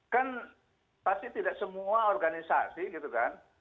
kan pasti tidak semua organisasi gitu kan